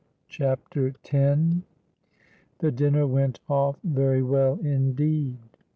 CHAPTER X The dinner went off very well indeed.